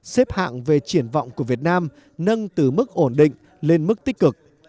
xếp hạng về triển vọng của việt nam nâng từ mức ổn định lên mức tích cực